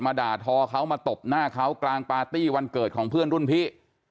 ด่าทอเขามาตบหน้าเขากลางปาร์ตี้วันเกิดของเพื่อนรุ่นพี่